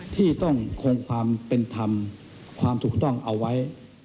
ที่ต้องคงความเป็นธรรมความถูกต้องเอาไว้